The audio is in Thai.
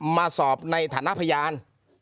มาสอบในฐานะพยาน